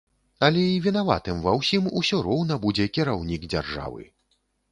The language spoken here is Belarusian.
Але і вінаватым ва ўсім усё роўна будзе кіраўнік дзяржавы.